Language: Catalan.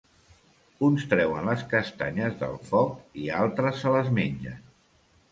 Uns treuen les castanyes del foc i altres se les mengen.